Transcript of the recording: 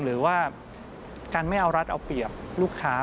หรือว่าการไม่เอารัฐเอาเปรียบลูกค้า